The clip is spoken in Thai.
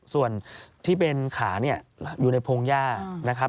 ส่วนที่เป็นขาอยู่ในโพงย่านะครับ